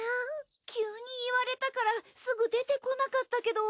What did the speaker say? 急に言われたからすぐ出てこなかったけど。